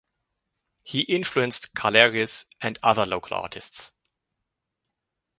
He influenced Kalergis and other local artists.